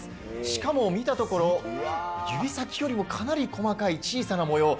しかも見たところ、指先よりもかなり細かい小さな模様。